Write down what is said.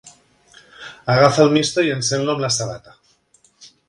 Agafa el misto i encén-lo amb la sabata.